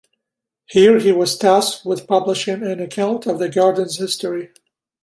Here, he was tasked with publishing an account of the garden's history.